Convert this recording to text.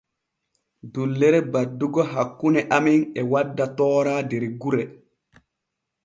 Dullere baddugo hakkune amen e wadda toora der gure.